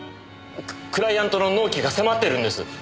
クライアントの納期が迫ってるんです。